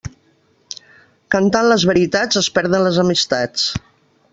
Cantant les veritats es perden les amistats.